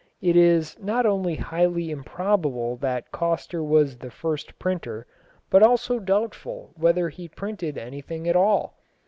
It is not only highly improbable that Coster was the first printer, but also doubtful whether he printed anything at all.